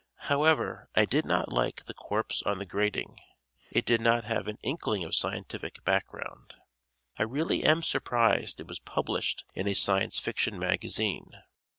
However, I did not like "The Corpse on the Grating." It did not have an inkling of scientific background. I really am surprised it was published in a Science Fiction magazine.